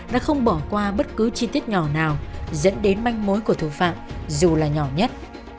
đã không bỏ qua bất cứ chi tiết nhỏ nào dẫn đến manh mối của thủ phạm dù là nhỏ nhất